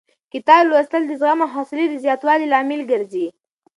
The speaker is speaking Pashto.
کتاب لوستل د زغم او حوصلې د زیاتوالي لامل ګرځي.